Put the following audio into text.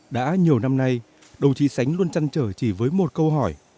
đã nhiều năm nay đồng chí sánh luôn chăn trở chỉ với một câu hỏi